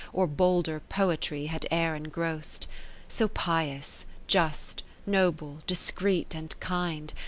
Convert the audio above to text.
Or bolder Poetry had e'er engross'd. So pious, just, noble, discreet, and kind.